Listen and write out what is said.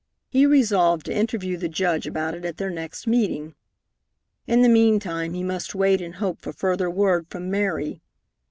He resolved to interview the Judge about it at their next meeting. In the meantime, he must wait and hope for further word from Mary.